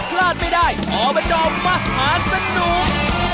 พลาดไม่ได้ออกมาจอบมหาสนุก